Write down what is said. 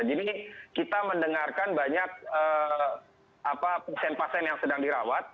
jadi kita mendengarkan banyak pasien pasien yang sedang dirawat